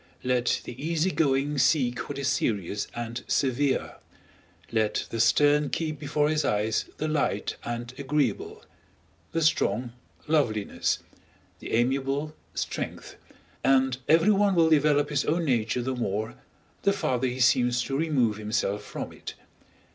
Let the easy going seek what is serious and severe; let the stern keep before his eyes the light and agreeable; the strong, loveliness; the amiable, strength; and everyone will develop his own nature the more, the farther he seems to remove himself from it.